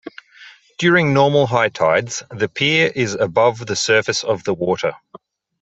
During normal high tides the pier is above the surface of the water.